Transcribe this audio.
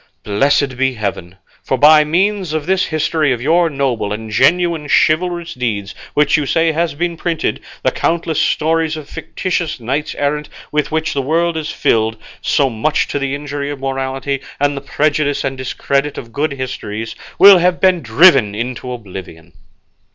Blessed be heaven! for by means of this history of your noble and genuine chivalrous deeds, which you say has been printed, the countless stories of fictitious knights errant with which the world is filled, so much to the injury of morality and the prejudice and discredit of good histories, will have been driven into oblivion."